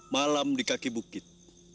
malam di kaki bukit